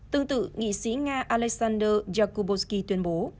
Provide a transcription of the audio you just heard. tương tự nghị sĩ nga alexander yakubovsky tuyên bố